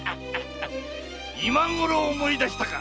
今ごろ思い出したか！